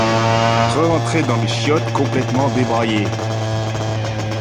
rerentrer dans les chiottes complètement débraillé.